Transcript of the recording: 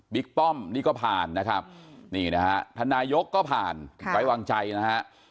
ป้อมนี่ก็ผ่านนะครับนี่นะฮะท่านนายกก็ผ่านไว้วางใจนะฮะ